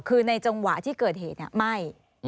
คือในจังหวะที่เกิดเหตุไหม้